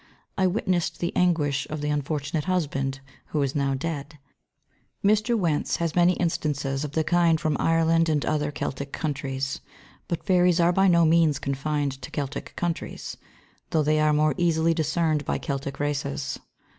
I witnessed the anguish of the unfortunate husband, who is now dead. Mr. Wentz has many instances of the kind from Ireland and other Celtic countries; but fairies are by no means confined to Celtic countries, though they are more easily discerned by Celtic races.